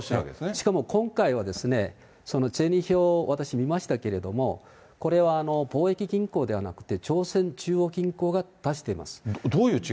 しかも今回は、その銭票を私、見ましたけれども、これは、貿易銀行ではなくて、朝鮮中央銀行が出してます。